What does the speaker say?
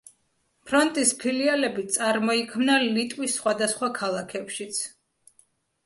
ფრონტის ფილიალები წარმოიქმნა ლიტვის სხვადასხვა ქალაქებშიც.